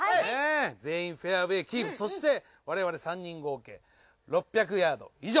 全員フェアウェイキープそして我々３人合計６００ヤード以上。